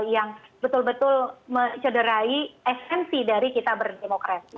yang betul betul mencederai esensi dari kita berdemokrasi